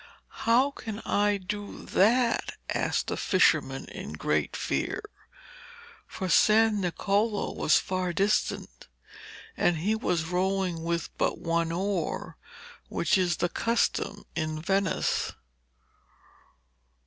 'How can I do that?' asked the fisherman in great fear. For San Niccolo was far distant, and he was rowing with but one oar, which is the custom in Venice.